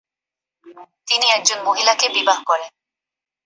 তিনি একজন মহিলাকে বিবাহ করেন।